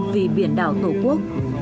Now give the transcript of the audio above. vì biển đảo tổ quốc